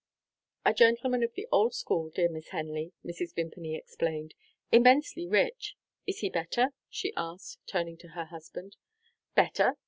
"A gentleman of the old school, dear Miss Henley," Mrs. Vimpany explained. "Immensely rich. Is he better?" she asked, turning to her husband. "Better?"